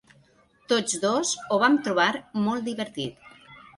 Tots dos ho vam trobar molt divertit.